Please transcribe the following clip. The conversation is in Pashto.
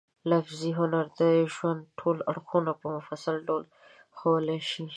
لفظي هنر د ژوند ټول اړخونه په مفصل ډول ښوولای شي.